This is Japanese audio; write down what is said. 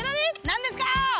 何ですか？